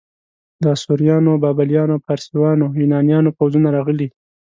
د اسوریانو، بابلیانو، فارسیانو، یونانیانو پوځونه راغلي.